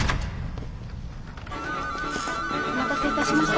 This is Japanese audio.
お待たせいたしました。